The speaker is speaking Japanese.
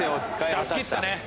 出しきったね。